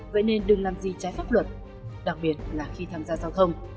vậy nên đừng làm gì trái pháp luật đặc biệt là khi tham gia giao thông